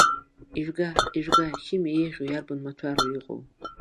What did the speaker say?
Ижәга, ижәга, химиа еиӷьу иарбан маҭәару иҟоу.